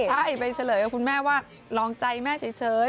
ใช่ใบเฉลยกับคุณแม่ว่าลองใจแม่เฉย